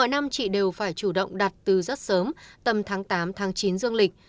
năm chị đều phải chủ động đặt từ rất sớm tầm tháng tám chín dương lịch